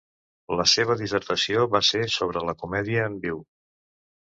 La seva dissertació va ser sobre la comèdia en viu.